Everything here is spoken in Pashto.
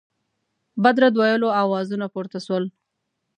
بد رد ویلو آوازونه پورته سول.